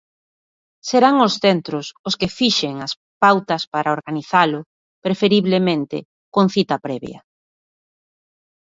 Serán os centros os que fixen as pautas para organizalo, preferiblemente con cita previa.